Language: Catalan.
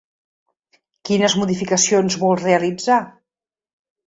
Quines modificacions vol realitzar?